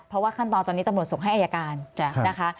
เพราะว่าขั้นตอนตอนนี้ตำรวจส่งให้อายการนะคะ